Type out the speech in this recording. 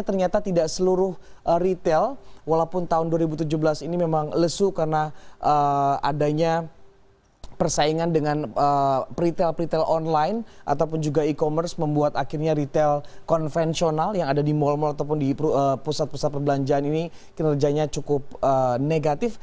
ternyata tidak seluruh retail walaupun tahun dua ribu tujuh belas ini memang lesu karena adanya persaingan dengan retail peritel online ataupun juga e commerce membuat akhirnya retail konvensional yang ada di mal mal ataupun di pusat pusat perbelanjaan ini kinerjanya cukup negatif